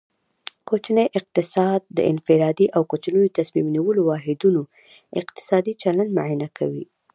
کوچنی اقتصاد د انفرادي او کوچنیو تصمیم نیولو واحدونو اقتصادي چلند معاینه کوي